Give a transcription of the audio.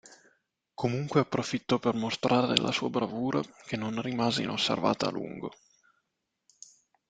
Comunque approfittò per mostrare la sua bravura, che non rimase inosservata a lungo.